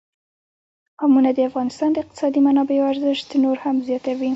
قومونه د افغانستان د اقتصادي منابعو ارزښت نور هم زیاتوي.